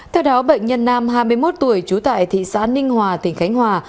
theo đó bệnh nhân nam hai mươi một tuổi trú tại thị xã ninh hòa tỉnh khánh hòa